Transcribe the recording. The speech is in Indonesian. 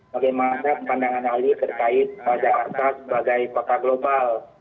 bagaimana pandangan ahli terkait jakarta sebagai kota global